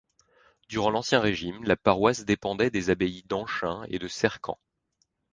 Durant l'Ancien Régime, la paroisse dépendait des abbayes d'Anchin et de Cercamps.